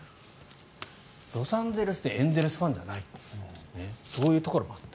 ロサンゼルスでエンゼルスファンじゃないというそういうところもあった。